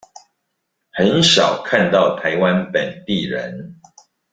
很少看到台灣本地人